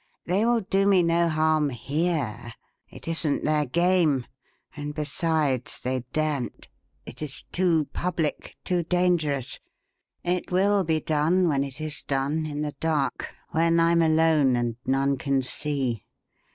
They will do me no harm here. It isn't their game, and, besides, they daren't. It is too public, too dangerous. It will be done, when it is done, in the dark when I'm alone, and none can see.